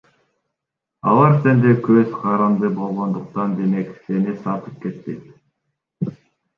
Алар сенден көз каранды болгондуктан, демек сени сатып кетпейт.